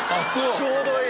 ちょうどいい！